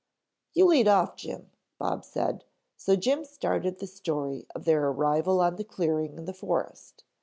"You lead off, Jim," Bob said, so Jim started the story of their arrival on the clearing in the forest.